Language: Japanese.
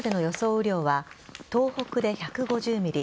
雨量は東北で１５０ｍｍ